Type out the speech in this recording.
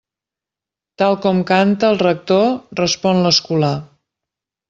Tal com canta el rector respon l'escolà.